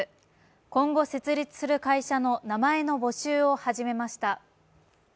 今後、設立する会社の名前の募集を始めました。